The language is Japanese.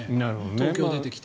東京に出てきて。